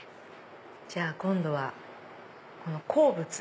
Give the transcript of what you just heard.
じゃあ今度はこの鉱物。